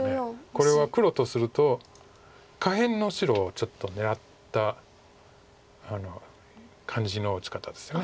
これは黒とすると下辺の白をちょっと狙った感じの打ち方ですよね。